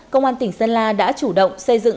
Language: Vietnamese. công an tỉnh sơn la đã chủ động xây dựng